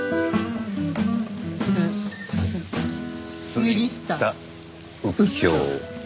杉下右京。